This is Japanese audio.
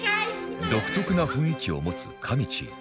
独特な雰囲気を持つかみちぃ